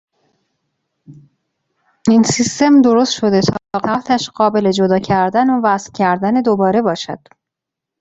این سیستم درست شده تا قطعاتش قابل جدا کردن و وصل کردن دوباره باشد.